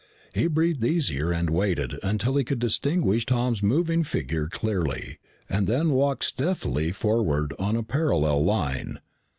He breathed easier and waited until he could distinguish Tom's moving figure clearly, and then walked stealthily forward on a parallel line.